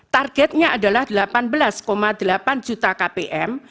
targetnya adalah delapan belas delapan juta kpm